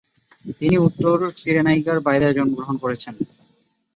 তিনি উত্তর সিরেনাইকার বাইদায় জন্মগ্রহণ করেছেন।